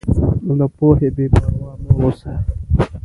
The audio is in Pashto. له پوهې بېپروا مه اوسه.